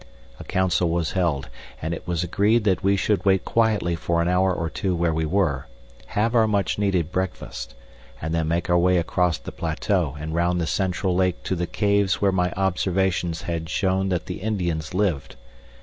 A council was held, and it was agreed that we should wait quietly for an hour or two where we were, have our much needed breakfast, and then make our way across the plateau and round the central lake to the caves where my observations had shown that the Indians lived.